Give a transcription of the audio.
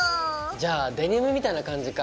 じゃあデニムみたいな感じか！